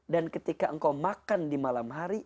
dan ketika engkau makan di malam hari